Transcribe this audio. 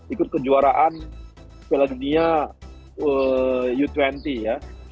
ikut kejuaraan piala dunia u dua puluh ya